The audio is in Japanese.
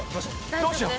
どうしよう。